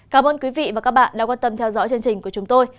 cảm ơn quý vị và các bạn đã quan tâm theo dõi chương trình của chúng tôi